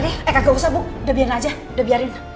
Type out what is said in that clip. eh gak usah bu udah biarin aja